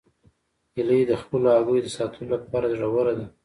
هیلۍ د خپلو هګیو د ساتلو لپاره زړوره ده